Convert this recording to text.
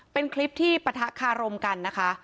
เป็นคลิปที่ปะทะคารมกันนะคะ